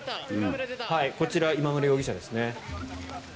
こちら、今村容疑者ですね。